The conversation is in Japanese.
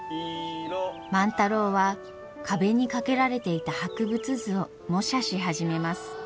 万太郎は壁に掛けられていた博物図を模写し始めます。